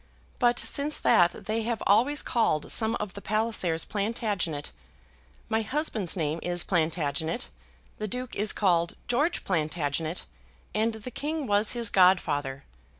But since that they have always called some of the Pallisers Plantagenet. My husband's name is Plantagenet. The Duke is called George Plantagenet, and the king was his godfather.